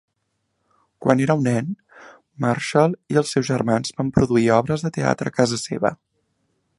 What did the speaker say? Quan era un nen, Marshall i els seus germans van produir obres de teatre a casa seva.